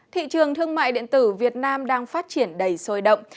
thị trường thương mại điện tử việt nam đang phát triển đầy sôi động